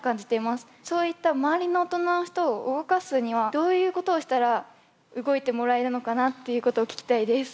そういった周りの大人の人を動かすにはどういうことをしたら動いてもらえるのかなっていうことを聞きたいです。